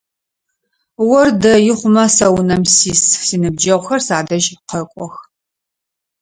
Ор дэи хъумэ сэ унэм сис, синыбджэгъухэр садэжь къэкӏох.